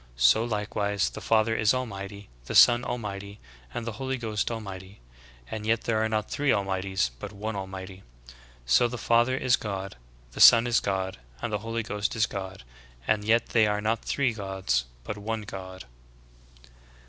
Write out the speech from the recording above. So likewise the Father is Al mighty, the Son Almighty, and the Holy Ghost AJmighty; and yet there are not three Almighties, but one Almighty. So the Father is God, the Son is God, and the Holy Ghost is God, and yet they are not three Gods but one God."